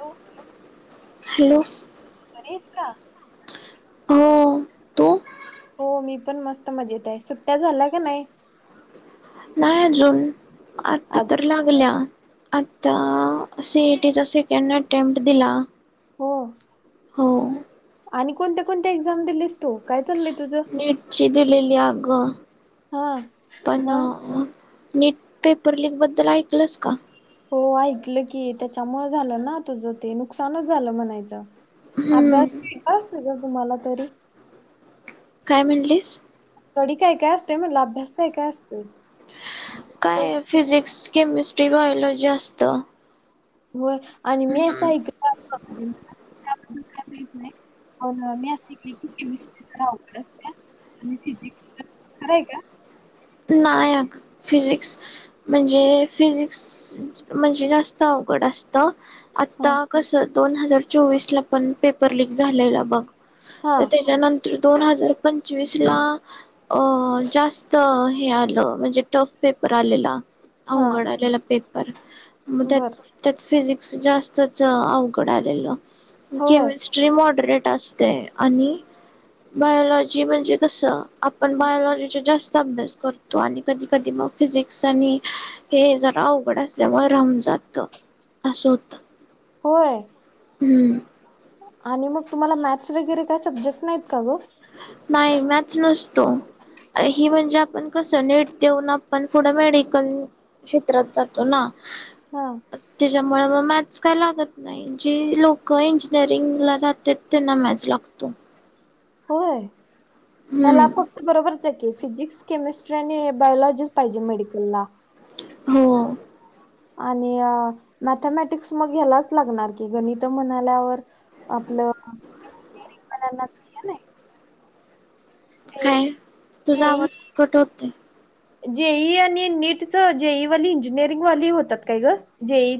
Hello hello. बरी आहेस का. हा तू हो मी पण मस्त मजेत आहे सुट्ट्या झाल्या का नाही नाहीय आजुन आता आज तर लागल्या आता सीईटीच अटेम्प्ट दिला हो हो आणि कोणत्या कोणत्या एक्झाम दिलीस तो नीटची दिलेली अगं हा पण म नीट पेपर लिक बद्दल ऐकलस का हो ऐकलं की त्याच्यामु झालं ना तुझं ते नुकसानच झालं म्हणायचं हम्म अभ्यास अस तुम्हाला तरी काय म्हणलीस तडी काय काय असततेय मला अभ्यास काय काय असतो काय फिजिक्स केमिस्ट्री बायोलॉजी असत हो आणि मी अस एक प मी असली की केमिस्ट आवड आणि फिजिकस कराय का नाही फिजिकक्स म्हणजे फिजिकस म्हणजे जास्त अवघड असत हा आता कस दोन हजार चोवीस ला पण पेपर लीक झालेला बघ हा त्याच्यानंतर दोन हजार जसला अ जास्त हे आलं म्हणजे टफ पेपर आलेला हा अवघडलेला पे ब बर. फिज जास्तच अवघड आलेल होय केमिस्ट्री मॉडरेट आणि बायलॉजी म्हणजे कसं आपण बायोलॉजी जास्त सब करतो आणि कधी कधी मग फिजिक्स आणि हे जरा अवघड असल्यावर रामून जात असं होत होय हम्म आणि मग तुम्हाला गरे काय सब्जेक्ट नाही नाही मच नसतो ही म्हणजे आपण कसं नीट देऊन आपण पुुढं मेडिकल क्षेत्रात जातो ना हा त त्याच्यामुळे मग मॅथस काय लागत नाही जी लोक इंजिनिअरिंग ला जातात त्यांना मॅथस लागतो होय ह्याला हम्म फक्त बरोबरच आहे की फिजिक्स केमिस्ट्री आणि बायोलॉजीच पाहिजे मेडिकलला हो आणि मॅथमॅटिक्स मग घ्यालाच लागणार की गणित म्हणाल्यावर आपलं इंजिनिअरिंगल्यांनाच घ ना काय तुझा जेई आवाज कट होतते जेई आणि नीटच जेई वाली इंजिनिअरिंगवाली होतात काय ग जेई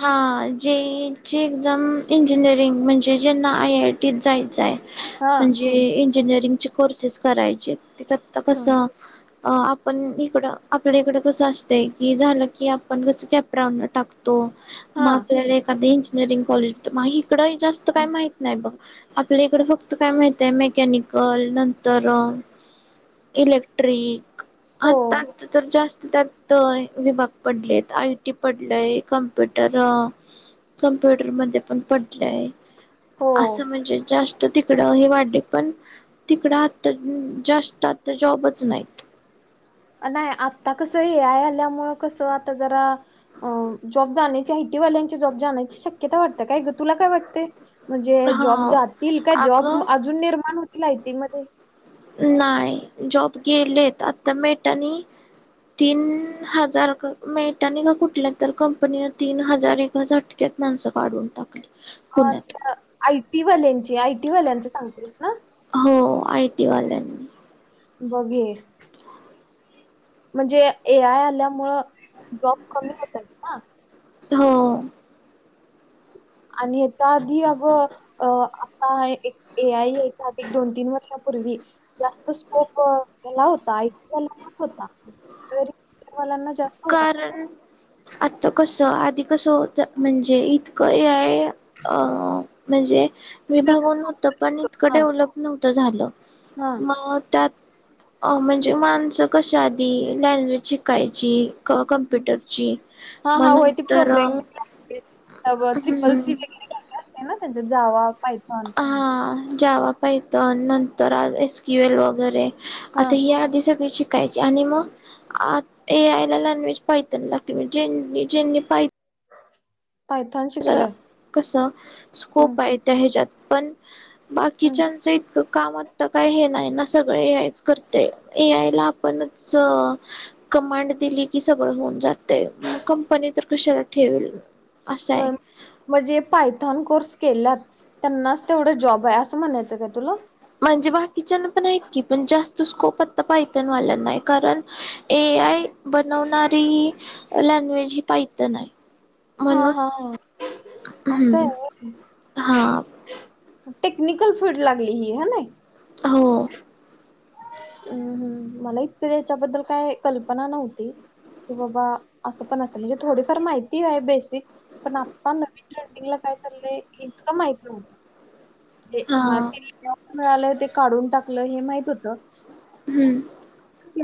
हा जीची एक््झा इंजिनिअरीिंग म्हणजे जेना आय आय टीत जायत ज आहे हा म्हणजे इंजिनिअरिंगचे कोर्सेस करायचे तेता हा कस अ आपण इकडं आपल्या इकडं कसं असतंय की झालं की आपण कसं कॅपरान टाकतो त म हा आपल्या का दे इंजिनिअरिंग कॉलेज इकड जास्त काय माहित नाही बघ आपल्या इकड फक्त काय माहित आहे मेकॅनिकल नंतर इलेक्ट्रिक हो आता तर जास्त त्यात विभाग पडलेत आय टी पडलाय कमप्युटर कमप्युटर मध्ये पण पडले आहे हो असं म्हणजे जास्त तर तिकडं हे वाढले पण तिकडं आता जास्त आता जॉबच नाहीत नाही आता कसं ए आय आल्यामुळे कसं आता जरा जॉब जाण्याची आयटी वाल्यांची जॉब जाण्याची शक्यता वाटते काय तुला काय वाटते म्हणजे जॉब हा जातील का जॉब अगं अजून निर्माण हो लाईटिंग मध्ये नाही जॉब गेलेत आता मेळटनी तीन हजार मेळटनी का कुठल्या तर कंपनी तीन हजार एटक्यात माणसं काढून टाकली अ पुण्यात आयटी वाल्यांची आयटी वाल्यांची सांगतेस ना हो आयटी वाल्यांनी बघे म्हणजे ए आय आल्यामुळं जॉब कमी होतात ना हो आणि याच्या आधी अग अ आता एक ए आय याच्याधी दोन तीन वर्षापूर्वी जास्त स्कोप केला होता आयटीला होता वालांना जास्त होता कारण आता कसं आधी कसं होत म्हणजे इतकं हेय अ म्हणजे विभाग तपनीकडे हा उलब न झालं हा मग त्यात अ म्हणजे माणसं कशा आधी लँग्वेज शिकायची जी क कम्प्युटरची म नंतर त हम्म त्रिपल्सी ब ना त्यांच जावा पायथॉन ह जावा पाहित नंतर आ एस क्यू एल वगैरे हा आता या आधी सगळी शिक यची आणि मग ए आय ला लॉनवेज पायतण लागते म्हणजे ज्यांनी ज्यांनी पाय पायथॉन शिकलं कसा स्कोप हम्म, आहे त्या ह जात पण हम्म. बाकीच्यांचं इतकं कामात तर काय हे नाही ना सगळे ए आयच करते ए आय ला आपणच कमांड दिली की सगळं होऊन जाते मग कंपनी तर कशाला ठेवेल असश आहे मगजे पायथॉन कोर्स केल्यात त्यांनाच तेवढ जॉब आहे असं म्हणायचं काय तुला म्हणजे बाकीच्याना पण ऐकी पण जास्त त स्कोप आता पायथन वाला नाही कारण ए आय बनवणारी लँग्वेज ही पायथन आहे हा म्हणून हा हा असं आहे हम् होय. हा टेक्निकल फीलल्ड लागली ही ह ना हो हम्म हम् मला इतकं याच्याबद्दल काय कल्पना नव्हती कि बाबा असं पण असत म्हणजे थोडीफार माहिती आहे बेसिक पण आता नवीन ट्रेंडिंगला काय चाललंय हे इतक माहित नव्हत ते हा म मिळालं ते काढून टाकलं हे माहित होतं हम्म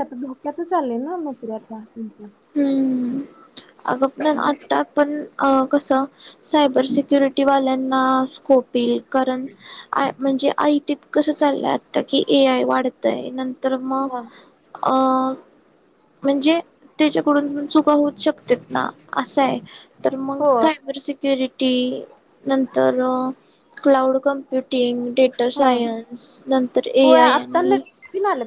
क धोक्यात चाले ना नकऱ्याता हम्म अगप आता पण अ कसं सायबर सक्योरिटी वा्यां स्कोपी कारण म्हणजे आई तत कस चाललं ए ए आय वाढत आहे न तर मग अ म्हणजे. त्याच्याकडून पण चुका होऊ शकत्यात ना असा आहे, तर मग हो सायबर सिक्युरिटी ती. नंतर. Cloud computing. डेटर हा सायन्स नंतर ए होय आय आता आणि नवीन आल्यात.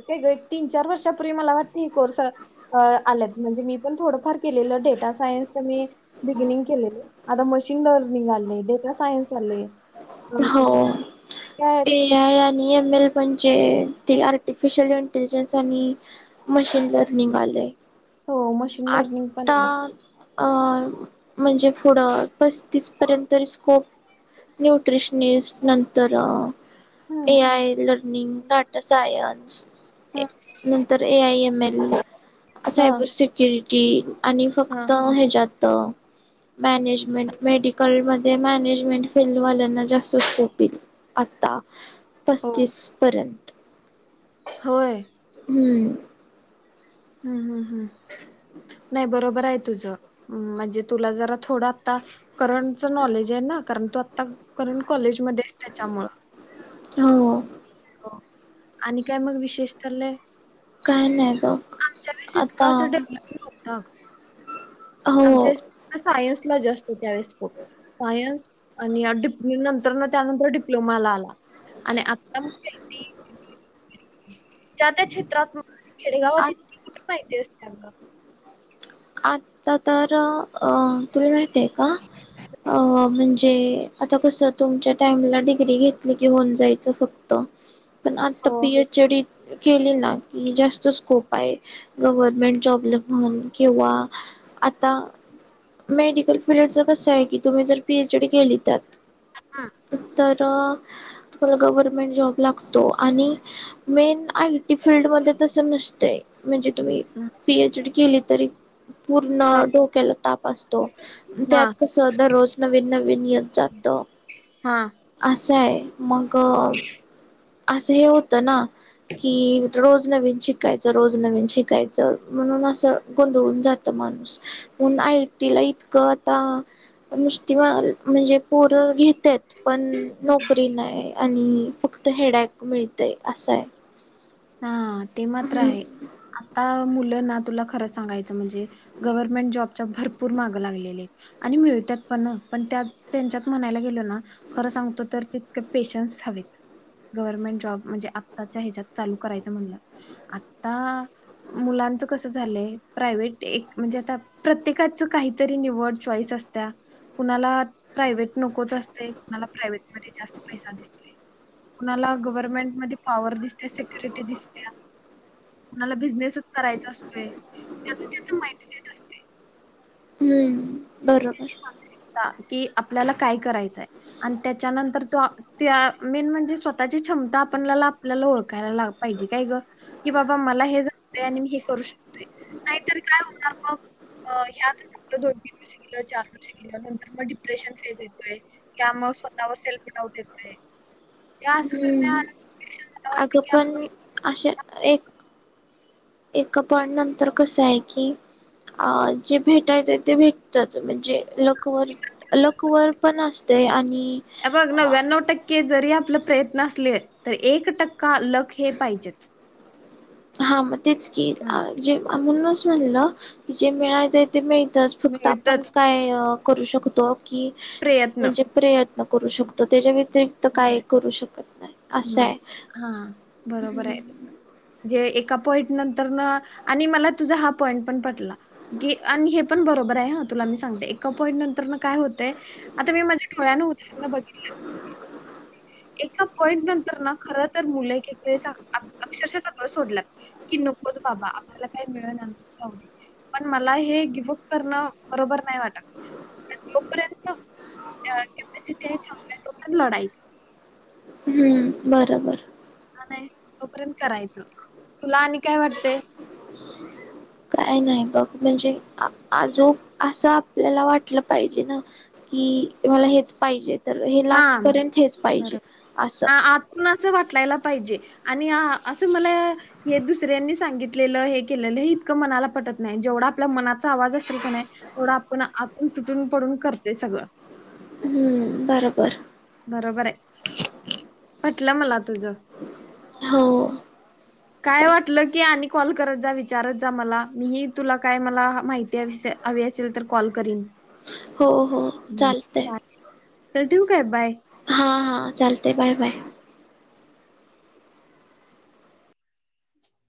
तीन चार वर्षापूर्वी मला वाटत हे कोर्स आल्यात म्हणजे मी पण थोडंफार केलेलं डेटा सायन्स तर मी बिगिनिंग केलेलं आता मशीन लर्निंग आले डेटा सायन्स आलय. हो ते या नि म्हणजे ते आर्टिफिशल इंटेलिजन्स आणि मशीन लर्निंग आलय. हो मशीन लर्निंग पण आहे. म्हणजे पुढं पस्तीसपर्यंत स्कोप न्यूट्रिशनिस्ट नंतर हम्म ए आय ल निन टाटा सायन्स. हम्म, नंतर ए आय एम एल हा सायबर स. की आणि हा फक्त हे जात. मॅनेजमेंट मेडिकलमध्ये मॅनेजमेंट फिल्डवाल्यांना जास्त स्कोप ये आता हो पस्तीस पर्यंत. होय. हम्म. हम् हम हम नाही बरोबर आहे, तुझं म्हणजे तुला जरा थोडं आता करंटच नॉलेज आहे ना, कारण तू आता करंट कॉलेज मध्येस त्याच्यामुळ हो. आणि काय मग विशेष चाललय. काय नाही. बघ आमच्या वेस आता इतकंसं डेव्हलप नव्हतं. हो आमच्या सायन्स जास्त त्यावेळेस ब सायन्स आणि प नंतर त्यानंतर डिप्लोमाला आला आणि आता म माहिती हम् त्या त्या क्षेत्रात आ खेडेगावात कुठे माहिती असते. च आता तर अ तु् माहितय का अ म्हणजे म्हण आता कस तुमच्या टाइमला डिग्री घेतली की होऊन जायच फक्त प हो. तपीया जडी केली ना की जास्त स्कोप आहे गव्हर्मेंट जॉबला म्हणून किंवा आता मेडिकल फीलडच कस आहे की तुम्ही जर पीएच डी केली त्या हां, उ तरर तु्हाला गव्हर्मेंट जॉब लागतो आणि मेन आयटी फीलल्डमध्ये तसं नसतंय म्हणजे तुम्ही पीएच डी केली ह पूर्ण हां, डोक्याला ताप असतो त्यात कस दररोज नवीन नवीन येत जात हां, असं आहे मग असं हे होतं ना कि रोज नवीन शिकायचं रोज नवीन शिकायचं म्हणून असं गोंधळून जात माणूस म्हून आय टी ला इतकं आता नस् म्हणजे पोरं घेत ते पण नोकरी नाही आणि फक्त हेडॅक मिळतय असा आहे हा ते मात्र हम्म आहे आ मु ना तुला खरं सगायचं म्हणजे गवर्नमेंट जॉब भपूर ला मित पणण त्या त्यांत म्हणाला गेलो ना खर सांगतो तर तितक पेशनस हवेत ग्हर्मेंट जॉब म्हणजे आच्या ह्याच्यात चालू करायच म्हणलं आता मुलांच कस झालंय प्रायव्हेट एक म्हणजे आता प्रत्येकाच काहीतरी निवड चॉईस असत्या कुणाला प्रायव्हेट नकोच असते कुणाला प्रायव्हेट मध्ये जास्त पैसा दिसत कुणाला गव्हर्मेंट मध्ये पॉवर दिसते त्या सिक्युरिटी दिसत्या कोणाला बिझनेसच करायचा असतोय त्याच त्याच माइंडसेट असते हम्म बरोबर [unintelligible] कि आपल्याला काय करायचंय आणि त्याच्यानंतर तो त्या मेन म्हणजे स्वतःची क्षमता आपल्या आपल्याला ओळखतो यला पाहिजे काय ग की बाबा मला हे आणि मी हे करू शकते नाहीतर काय होणार मग आपलं दोन चार वर्ष केलं नंतर मग डिप्रेशन फेज येतोय त्या मग स्वतःवर सेल्फ फुट आऊट येतोय या असं हम्म करण्यापेक्षा मला वाटतं अगं की पण आपण- अशा एक ए पण नंतर कस आहे की अ जे भेटायचं आहे ते भेटतच म्हणजे लकवर लकवर पण असते आणि याग नव एनोट के जी जरी आप प्रयत्न असले एक टक् कालक हे पाहिजेच हा म तेच की हा जे म्हणूनच म्हणलं की जे मिळायच ते मिळतच फक्त आपण मिळतच काय करू शकतो. क प्रयत्न म्हणजे प्रयत्न करू शकतो, त्याच्या व्यतिरिक्त काही करू शकत नाही असं नाही आहे. हा [unintelligible] चना बघकी एका पॉइंट नंतर ना खर तर मुलं वेळे अक्षरशः सगळं सोडल्यात की नकोच बाबा आपल्याला काही मिळ पण मला हे गिव अप करणं बरोबर नाही वाटत आता पर्यंत कॅपसिटी चांग लढाई हम्म बरोबर नाही तोपर्यंत करायच तुला आणि काय वाटते. काय नाही बघ म्हणजे आजो असं आपल्याला वाटलं पाहिजे ना की मला हेच पाहिजेत. तर हे हा लास्ट पर्यंत हेच पाहिजे बरोबर. असं आ- आतून वाटलायला पाहिजे आणि असं मला हे दुसऱ्यांनी सांगितलेलं हे केलेलं हे इतकं मनाला पटत नाही, जेवढा आपला मनाचा आवाज असेल का नाही तेवढं आपण आतून तुटून पडून करतोय सगळं हम्म बरोबर बरोबर आहे पटलं मला तुझं हो काय वाटलं की आण कॉल करत जा विचारत जा मला मीही तुला काय मला माहिती हवी असेल तर कॉल करीन हो हो हम्म. चालतय चल ठेवू काय, बाय ह हा हा चालते बाय बाय